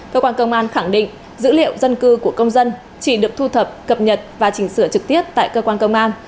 cơ quan công an khẳng định dữ liệu dân cư của công dân chỉ được thu thập cập nhật và chỉnh sửa trực tiếp tại cơ quan công an